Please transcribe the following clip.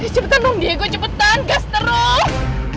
cepetan dong diego cepetan gas terus